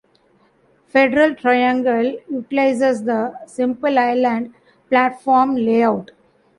Federal Triangle utilizes the simple island platform layout.